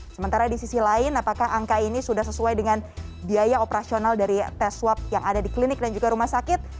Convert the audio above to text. sementara di sisi lain apakah angka ini sudah sesuai dengan biaya operasional dari tes swab yang ada di klinik dan juga rumah sakit